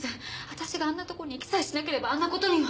私があんなとこに行きさえしなければあんなことには。